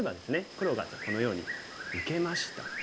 黒がじゃあこのように受けました。